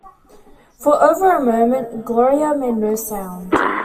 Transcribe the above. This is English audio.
For over a moment Gloria made no sound.